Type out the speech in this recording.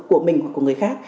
của mình hoặc của người khác